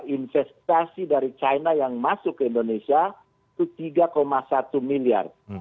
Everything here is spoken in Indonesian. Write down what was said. investasi dari china yang masuk ke indonesia itu tiga satu miliar